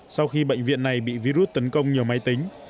sau khi bệnh viện này bị virus tấn công nhiều máy tính